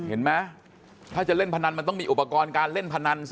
เห็นไหมถ้าจะเล่นพนันมันต้องมีอุปกรณ์การเล่นพนันสิ